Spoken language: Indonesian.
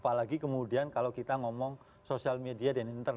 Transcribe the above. apalagi kemudian kalau kita ngomong sosial media dan internet